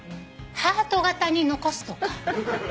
ハート形に残すとか。